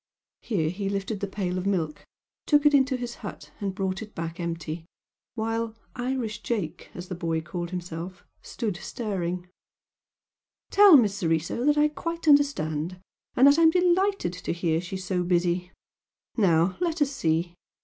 Here he lifted the pail of milk, took it into his hut and brought it back empty, while "Irish Jake," as the boy had called himself, stood staring "Tell Miss Soriso that I quite understand! And that I'm delighted to hear she is so busy! Now, let us see!"